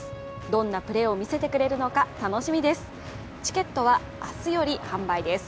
どんなプレーを見せてくれるのか楽しみです。